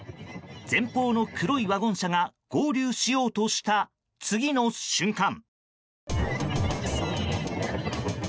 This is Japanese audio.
前方の黒いワゴン車が合流しようとした次の瞬間。